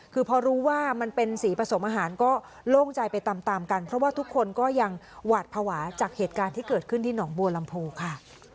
คือพอรู้ว่ามันเป็นสีผสมอาหารก็โล่งใจไปตามตามกันเพราะว่าทุกคนก็ยังหวาดภาวะจากเหตุการณ์ที่เกิดขึ้นที่หนองบัวลำพูค่ะ